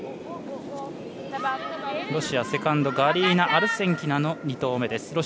ロシア、セカンドガリーナ・アルセンキナの２投目です。